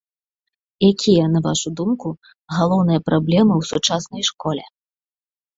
Якія, на вашу думку, галоўныя праблемы ў сучаснай школе?